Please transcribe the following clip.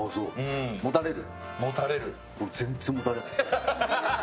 もたれる。